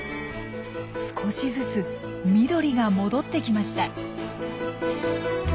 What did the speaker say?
少しずつ緑が戻ってきました。